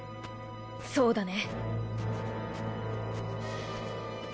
そうだね。